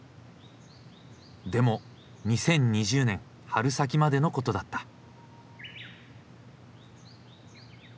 でも２０２０年春先までのことだった。